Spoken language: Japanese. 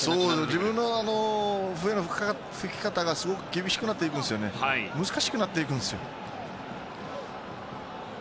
自分の笛の吹き方がすごく厳しくなって難しくなっていくんですよ。